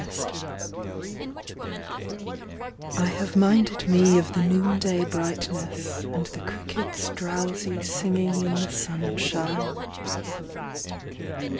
NIGHT I have minded me Of the noon day brightness, And the crickets drowsy Singing in the sunshine.